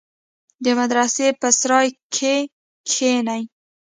د مدرسې په سراى کښې کښېني.